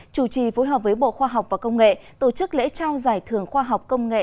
chủ trì phối hợp với bộ khoa học và công nghệ tổ chức lễ trao giải thưởng khoa học công nghệ